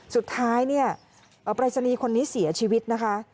สุดท้ายเนี่ยปรายศนีย์คนนี้เสียชีวิตนะคะ